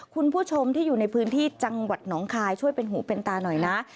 คุณผู้ชมที่อยู่ในพื้นที่จังหวัดหนองคายช่วยเป็นหูเป็นตาหน่อยนะ